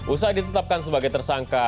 usai ditetapkan sebagai tersangka